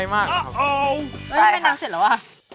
เอ้ยทำไมน้ำเสร็จแล้ววะ